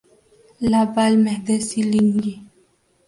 La Balme-de-Sillingy